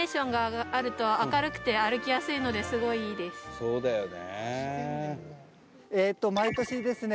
そうだよね。